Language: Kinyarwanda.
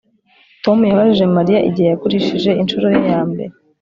Tom yabajije Mariya igihe yagurishije ishusho ye ya mbere